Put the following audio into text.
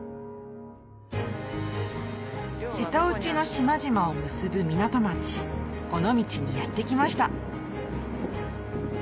瀬戸内の島々を結ぶ港町尾道にやって来ました